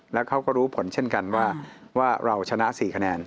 แล้วเขาก็รู้ผลเช่นกันว่าเราชนะ๔คะแนน